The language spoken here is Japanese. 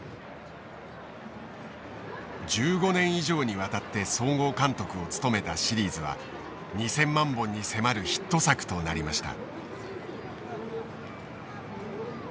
１５年以上にわたって総合監督を務めたシリーズは２，０００万本に迫るヒット作となりました。